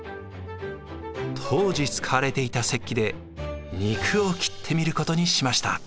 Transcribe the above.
当時使われていた石器で肉を切ってみることにしました。